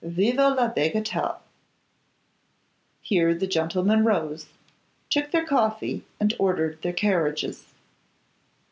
Vive la bagatelle!' Here the gentlemen rose, took their coffee, and ordered their carriages.